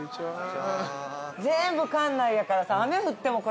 全部館内やからさ。